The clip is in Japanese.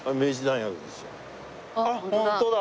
あっホントだ。